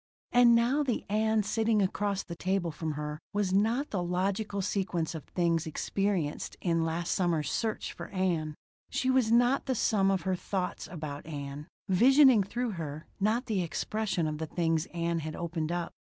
And now the Ann sitting across the table from her was not the logical sequence of things experienced in last summer's search for Ann. She was not the sum of her thoughts about Ann visioning through her, not the expression of the things Ann had opened up.